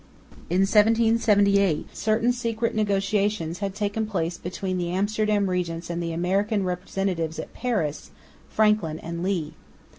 In 1778 certain secret negotiations had taken place between the Amsterdam regents and the American representatives at Paris, Franklin and Lee.